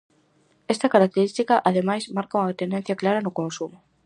Esta característica ademais marca unha tendencia clara no consumo.